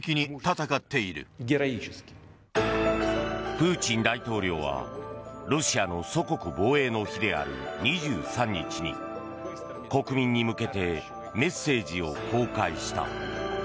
プーチン大統領はロシアの祖国防衛の日である２３日に、国民に向けてメッセージを公開した。